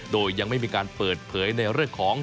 โดยยังไม่มีการเปิดเผยในเรื่องของ